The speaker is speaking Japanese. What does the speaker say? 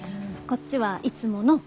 こっちはいつもの。